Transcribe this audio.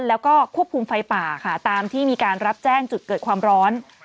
แล้วก็ควบคุมไฟป่าค่ะตามที่มีการรับแจ้งจุดเกิดความร้อน